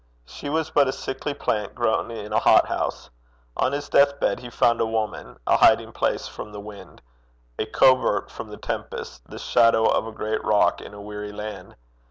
She was but a sickly plant grown in a hot house. On his death bed he found a woman a hiding place from the wind, a covert from the tempest, the shadow of a great rock in a weary land!